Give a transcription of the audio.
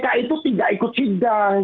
kpk itu tidak ikut sidang